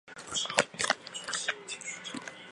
弗里堡州在这附近也拥有三块位于沃州境内的飞地。